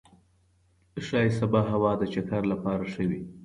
ښايي سبا هوا د چکر لپاره ښه وي.